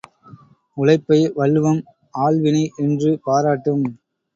உழைப்பை வள்ளுவம் ஆள்வினை என்று பாராட்டும்.